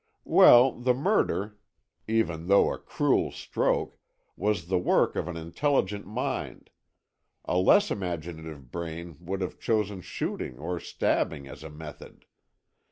"Well, the murder, even though a cruel stroke, was the work of an intelligent mind. A less imaginative brain would have chosen shooting or stabbing as a method.